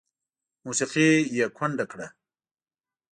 موسیقي یې کونډه کړه